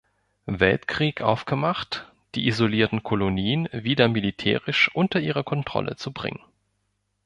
Weltkrieg aufgemacht, die isolierten Kolonien wieder militärisch unter ihre Kontrolle zu bringen.